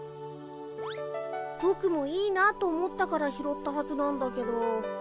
ぼくもいいなと思ったから拾ったはずなんだけど。